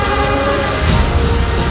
kau tak bisa menyembuhkan